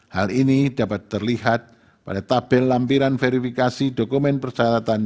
hal ini dapat terlihat pada tabel lampiran verifikasi dokumen persyaratan